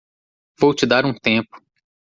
Vou te dar um tempo.